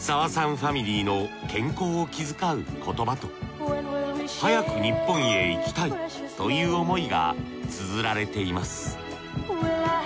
ファミリーの健康を気遣う言葉と早く日本へ行きたいという思いがつづられています